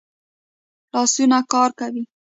لاسونه کار کوي